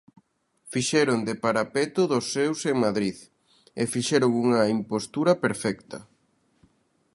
Fixeron de parapeto dos seus en Madrid, e fixeron unha impostura perfecta.